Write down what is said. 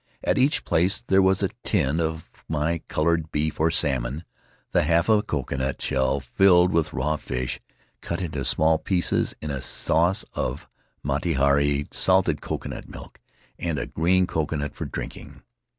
At each place there was a tin of my corned beef or salmon ; the half of a coconut shell filled with raw fish, cut into small pieces in a sauce of miti haari — salted coconut milk — and a green coconut for drinking.